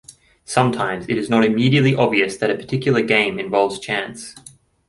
Sometimes it is not immediately obvious that a particular game involves chance.